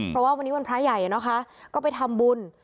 เพราะว่าวันนี้วันพระใหญ่นะคะก็ไปทำบุญ